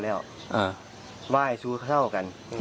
พวกมันเลือก